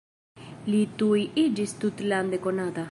Li tuj iĝis tutlande konata.